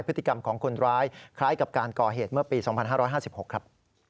พฤติกรรมของคนร้ายคล้ายกับการก่อเหตุเมื่อปี๒๕๕๖ครับ